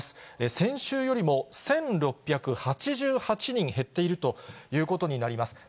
先週よりも１６８８人減っているということになります。